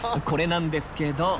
これなんですけど。